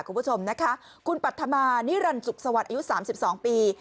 คุณผู้ชมนะคะคุณปัธมานิรันดิสุขสวัสดิ์อายุ๓๒ปี